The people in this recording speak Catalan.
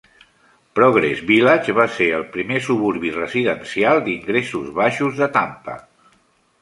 Progress Village va ser el primer suburbi residencial d'ingressos baixos de Tampa.